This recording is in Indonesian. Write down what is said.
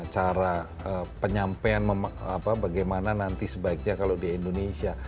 cara penyampaian bagaimana nanti sebaiknya kalau di indonesia